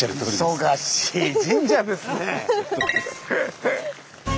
忙しい神社ですね。